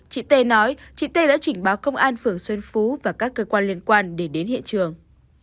chị t nói chị tê đã trình báo công an phường xuân phú và các cơ quan liên quan để đến hiện trường